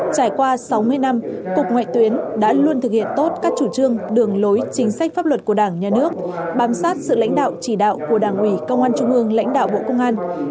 trải qua sáu mươi năm cục ngoại tuyến đã luôn thực hiện tốt các chủ trương đường lối chính sách pháp luật của đảng nhà nước bám sát sự lãnh đạo chỉ đạo của đảng ủy công an trung ương lãnh đạo bộ công an